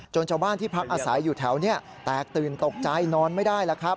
ชาวบ้านที่พักอาศัยอยู่แถวนี้แตกตื่นตกใจนอนไม่ได้แล้วครับ